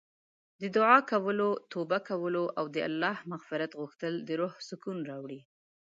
د دعا کولو، توبه کولو او د الله مغفرت غوښتل د روح سکون راوړي.